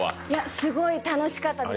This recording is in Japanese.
すごい楽しかったです。